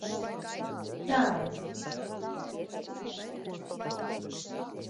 Bļāviens! Nedēļu nebiju smēķējis.